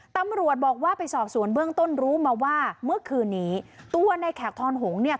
ตำรวจบอกว่าไปสอบสวนเบื้องต้นรู้มาว่าเมื่อคืนนี้ตัวในแขกทอนหงษ์เนี่ย